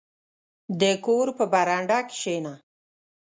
• د کور په برنډه کښېنه.